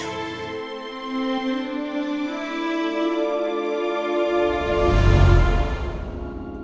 aku akan menangkapmu